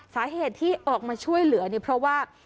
สาเหตุที่ออกมาช่วยเหลือเนี่ยเพราะว่า